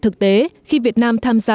thực tế khi việt nam tham gia